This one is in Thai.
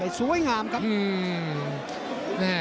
ครับสวยงามครับ